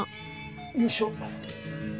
よいしょ。